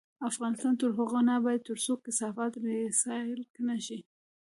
افغانستان تر هغو نه ابادیږي، ترڅو کثافات ریسایکل نشي.